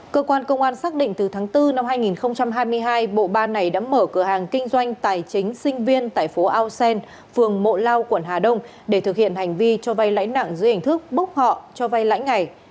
cơ quan công an xác định từ tháng bốn năm hai nghìn hai mươi hai bộ ba này đã mở cửa hàng kinh doanh tài chính sinh viên tại phố ao sen phường mộ lao quận hà đông để thực hiện hành vi cho vay lãi nặng dưới hình thức bốc họ cho vay lãi ngày